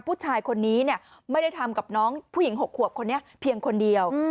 ผู้ชายคนนี้ไม่ได้ทำกับน้องผู้หญิง๖ขวบคนนี้เพียงคนเดียว